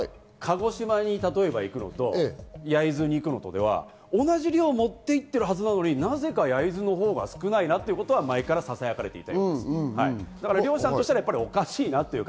カツオを満タンに積んで、鹿児島に例えば行くのと焼津に行くのとでは、同じ量を持って行っているはずなのに、なぜか焼津のほうが少ないなというのは前からささやかれていた。